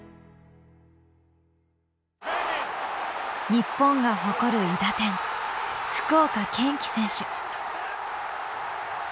日本が誇る韋駄天福岡堅樹選手。